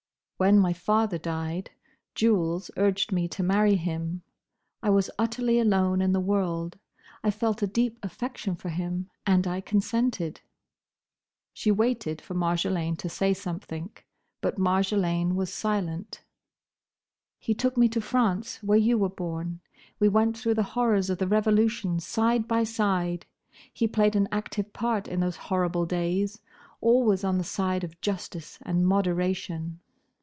When my father died, Jules urged me to marry him. I was utterly alone in the world; I felt a deep affection for him; and I consented." She waited for Marjolaine to say something; but Marjolaine was silent. "He took me to France, where you were born. We went through the horrors of the Revolution side by side. He played an active part in those horrible days; always on the side of justice and moderation.